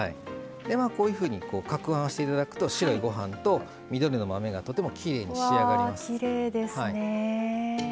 こういうふうにかくはんしていただくと白いご飯と緑の豆がとてもきれいに仕上がります。